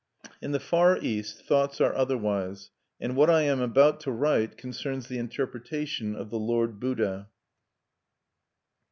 In the Far East thoughts are otherwise; and what I am about to write concerns the interpretation of the Lord Buddha.